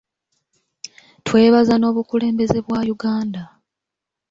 Twebaza n’Obukulembeze bwa Uganda.